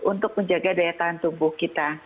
untuk menjaga daya tahan tubuh kita